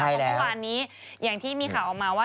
ใช่แล้ววันนี้อย่างที่มีข่าวออกมาว่า